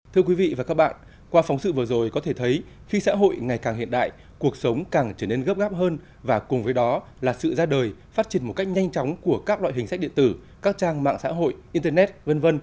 thưa quý vị và các bạn qua phóng sự vừa rồi có thể thấy khi xã hội ngày càng hiện đại cuộc sống càng trở nên gấp gáp hơn và cùng với đó là sự ra đời phát triển một cách nhanh chóng của các loại hình sách điện tử các trang mạng xã hội internet v v